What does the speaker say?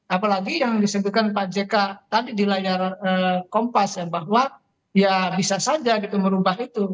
apalagi yang disebutkan pak jk tadi di layar kompas ya bahwa ya bisa saja gitu merubah itu